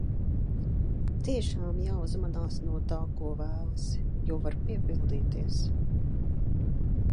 Tiešām, jāuzmanās no tā, ko vēlas, jo var piepildīties.